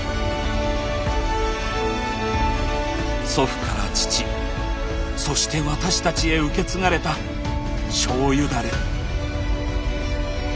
祖父から父そして私たちへ受け継がれた「醤油ダレ」。